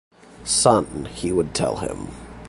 "Son," he would tell him.